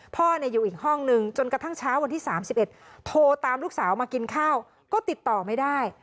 พ่ออยู่อีกห้องนึงจนกระทั่งเช้าวันที่๓๑โทรตามลูกสาวมากินข้าวก็ติดต่อไม่ได้